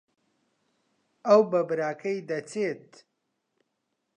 ئەو بە براکەی دەچێت.